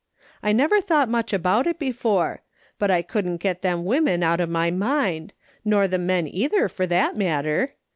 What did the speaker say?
I never thought much about it before, but I couldn't get them women out of my mind, nor the men either, for that matter.